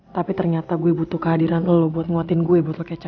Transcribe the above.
tapi ternyata gue butuh kehadiran lo buat nguatin gue botol kecap